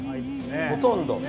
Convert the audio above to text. ほとんど。